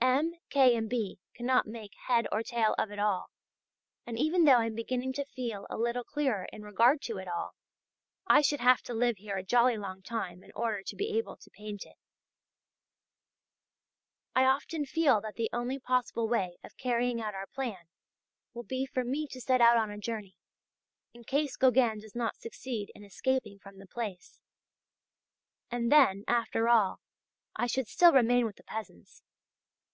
M. K. and B. cannot make head or tail of it all, and even though I am beginning to feel a little clearer in regard to it all, I should have to live here a jolly long time in order to be able to paint it. I often feel that the only possible way of carrying out our plan will be for me to set out on a journey, in case Gauguin does not succeed in escaping from the place. And, then, after all, I should still remain with the peasants.